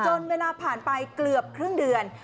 เวลาผ่านไปเกือบครึ่งเดือน